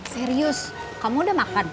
serius kamu udah makan